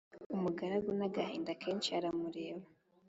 umugaragu n'agahinda kenshi aramureba,